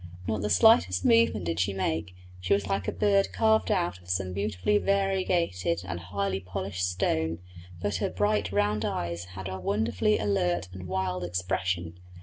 Not the slightest movement did she make; she was like a bird carved out of some beautifully variegated and highly polished stone, but her bright round eyes had a wonderfully alert and wild expression.